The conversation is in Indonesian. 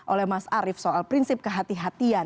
oleh mas arief soal prinsip kehatian